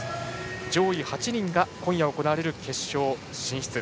上位８人が今夜行われる決勝進出。